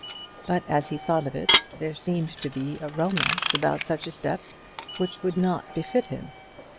But, as he thought of it, there seemed to be a romance about such a step which would not befit him.